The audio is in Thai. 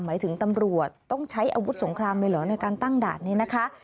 หมายถึงตำรวจต้องใช้อาวุธสงครามเลยเหรอในการตั้งด่านนี้นะคะ